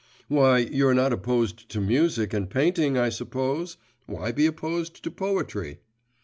Why, you're not opposed to music and painting, I suppose; why be opposed to poetry?